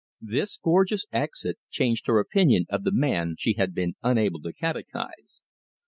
This gorgeous exit changed her opinion of the man she had been unable to catechise.